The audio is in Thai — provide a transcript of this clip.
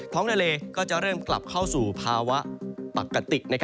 ทะเลก็จะเริ่มกลับเข้าสู่ภาวะปกติ